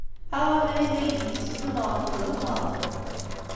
Aɣ abrid ay d-yetteddun ɣef uzelmaḍ.